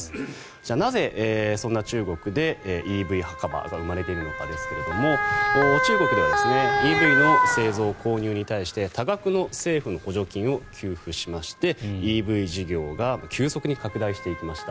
では、なぜ、そんな中国でＥＶ墓場が生まれているのかですが中国ではＥＶの製造・購入に対して多額の政府の補助金を給付しましてＥＶ事業が急速に拡大していきました。